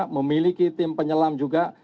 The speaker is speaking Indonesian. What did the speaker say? memiliki tim penyelam juga